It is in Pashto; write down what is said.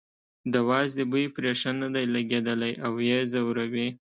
د وازدې بوی پرې ښه نه دی لګېدلی او یې ځوروي.